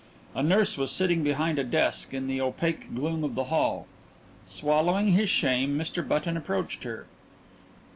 A nurse was sitting behind a desk in the opaque gloom of the hall. Swallowing his shame, Mr. Button approached her.